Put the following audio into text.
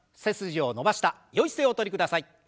背筋を伸ばしたよい姿勢おとりください。